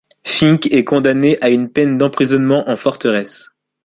Finck est condamné à une peine d'emprisonnement en forteresse.